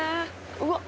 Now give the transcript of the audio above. うわっ。